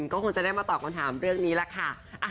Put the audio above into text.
ก็คงจะได้มาตอบคำถามเรื่องนี้แหละค่ะ